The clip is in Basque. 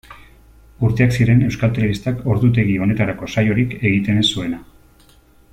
Urteak ziren Euskal Telebistak ordutegi honetarako saiorik egiten ez zuena.